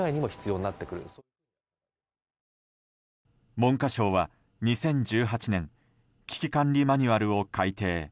文科省は２０１８年危機管理マニュアルを改訂。